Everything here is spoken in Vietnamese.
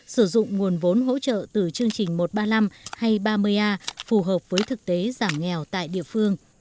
sử dụng nguồn vốn hỗ trợ từ chương trình một trăm ba mươi năm hay ba mươi a phù hợp với thực tế giảm nghèo tại địa phương